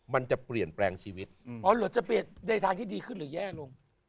มันจะเปลี่ยนแปลงชีวิตอ๋อหรือจะเปลี่ยนในทางที่ดีขึ้นหรือแย่ลง